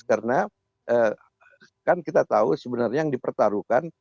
karena kan kita tahu sebenarnya yang dipertaruhkan